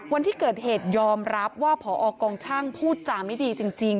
วันที่เกิดเหตุยอมรับว่าผอกองช่างพูดจาไม่ดีจริง